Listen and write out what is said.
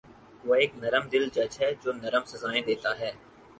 وہ ایک نرم دل جج ہے جو نرم سزایئں دیتا `ہے